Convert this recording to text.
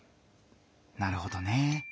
なるほどね。